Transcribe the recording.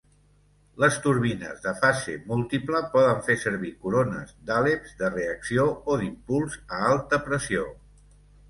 Les turbines de fase múltiple poden fer servir corones d'àleps de reacció o d'impuls a alta pressió.